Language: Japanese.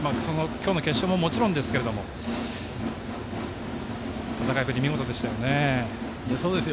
今日の決勝ももちろんですけども戦いぶり、見事でしたよね。